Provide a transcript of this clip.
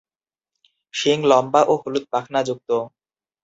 শিং লম্বা ও হলুদ-পাখনাযুক্ত।